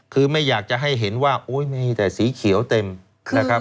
คือไม่อยากจะให้เห็นว่าโอ้ยมีแต่สีเขียวเต็มนะครับ